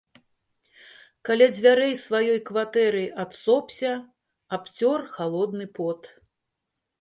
Каля дзвярэй сваёй кватэры адсопся, абцёр халодны пот.